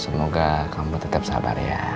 semoga kamu tetap sabar ya